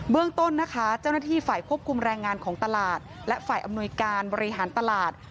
เรื่องต้นนะคะเจ้าหน้าที่ฝ่ายควบคุมแรงงานของตลาดและฝ่ายอำนวยการบริหารตลาด